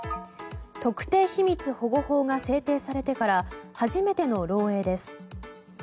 特定秘密保護法が制定されてから初めての漏洩です。